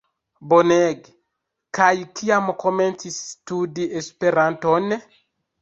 Bonege! kaj kiam komencis studi Esperanton?